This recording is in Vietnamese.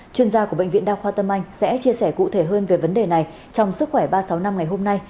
chuyên gia của bệnh viện đa khoa tâm anh sẽ chia sẻ cụ thể hơn về vấn đề này trong sức khỏe ba trăm sáu mươi năm ngày hôm nay